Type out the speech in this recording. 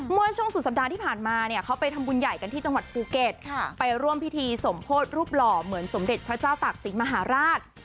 เมื่อช่วงสุดสัปดาห์ที่ผ่านมาเนี่ยเขาไปทำบุญใหญ่กันที่จังหวัดภูเก็ตไปร่วมพิธีสมโพธิรูปหล่อเหมือนสมเด็จพระเจ้าตากศิลปมหาราช